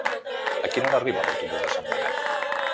A quina hora arriba l'autobús de Sentmenat?